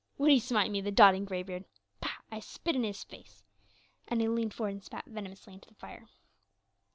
Would he smite me, the doting greybeard? Pah, I spit in his face!" And he leaned forward and spat venomously into the fire.